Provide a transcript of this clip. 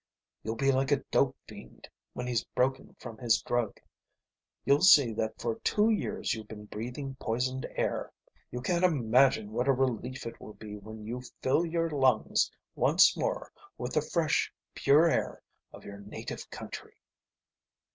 You'll be like a dope fiend when he's broken from his drug. You'll see then that for two years you've been breathing poisoned air. You can't imagine what a relief it will be when you fill your lungs once more with the fresh, pure air of your native country."